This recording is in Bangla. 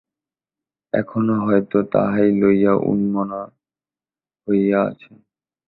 এখনো হয়তো তাহাই লইয়া উন্মনা হইয়া আছেন।